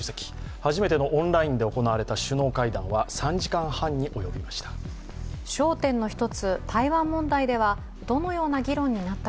初めてのオンラインで行われた首脳会談は３時間半に及びました。